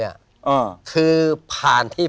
เก็บเงินซื้อพระองค์เนี่ยเก็บเงินซื้อพระองค์เนี่ย